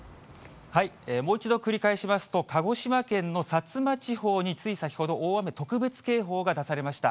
もう一度繰り返しますと、鹿児島県の薩摩地方に、つい先ほど、大雨特別警報が出されました。